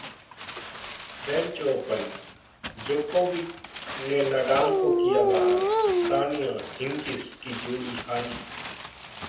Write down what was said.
French Open Djokovic ने Nadal को किया बाहर, सानिया-हिंगिस की जोड़ी हारी